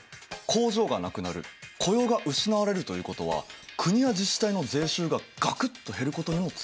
工場がなくなる雇用が失われるということは国や自治体の税収がガクッと減ることにもつながる。